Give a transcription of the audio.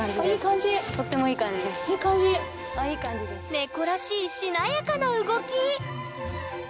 猫らしいしなやかな動き！